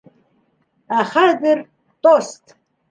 Ә хәҙер тост!